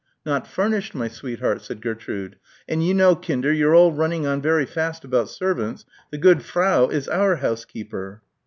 "Not furnished, my sweetheart," said Gertrude, "and you know Kinder you're all running on very fast about servants the good Frau is our housekeeper."